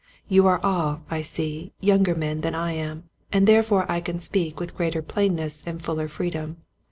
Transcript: You are all, I see, younger men than I am, and therefore I can speak with greater plainness and fuller freedom.